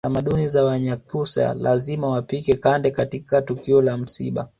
Tamaduni za Wanyakyusa lazima wapike kande katika tukio la msiba